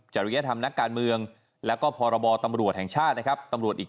จะทำกับเขาเป็นผู้กำกัดที่เราจะพูดกับไหน